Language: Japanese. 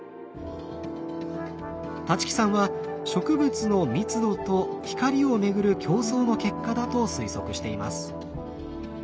立木さんは植物の密度と光をめぐる競争の結果だと推測しています。